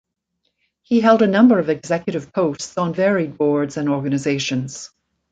He held a number of executive posts on varied boards and organizations.